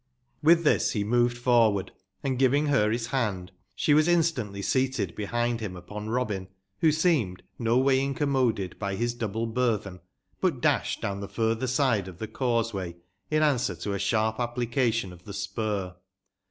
Witb tbis be moved forward, and giving ber bis band, sbe was instantly seated bebind bim upon ßobin, wbo seemed no way incommoded by bis double burtben, but dasbed down tbe furtber side of tbe causeway, in answer to a sbarp application of tbe spur.